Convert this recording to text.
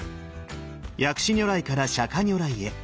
薬師如来から釈如来へ。